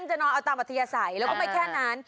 ก็จะนอนเอาต่างปัจเทียใสแล้วก็ไม่แค่นั้น